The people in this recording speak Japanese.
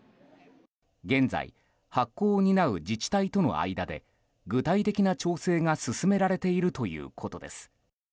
現在、発行を担う自治体との間で具体的な調整が進められているということです。